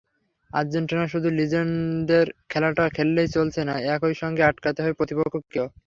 আর্জেন্টিনার শুধু নিজেদের খেলাটা খেললেই চলছে না, একই সঙ্গে আটকাতে হবে প্রতিপক্ষকেও।